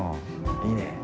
いいね。